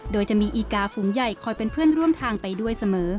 โดยจะมีอีกาฝูงใหญ่คอยเป็นเพื่อนร่วมทางไปด้วยเสมอ